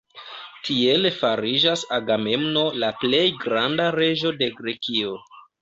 Tiel fariĝas Agamemno la plej granda reĝo de Grekio.